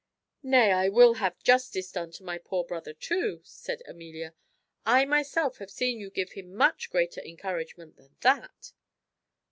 "Nay, I will have justice done to my poor brother too," said Amelia. "I myself have seen you give him much greater encouragement than that."